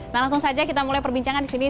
nah langsung saja kita mulai perbincangan di sini